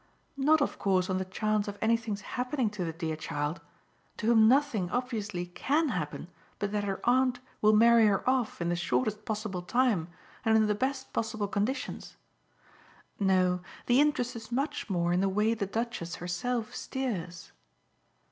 "Not of course on the chance of anything's happening to the dear child to whom nothing obviously CAN happen but that her aunt will marry her off in the shortest possible time and in the best possible conditions. No, the interest is much more in the way the Duchess herself steers."